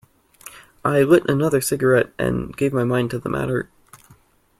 I lit another cigarette and gave my mind to the matter.